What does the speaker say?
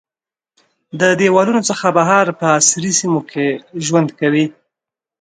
د دیوالونو څخه بهر په عصري سیمو کې ژوند کوي.